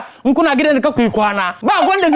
สวัสดีครับ